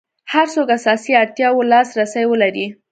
هر څوک اساسي اړتیاوو لاس رسي ولري.